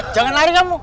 jangan lari kamu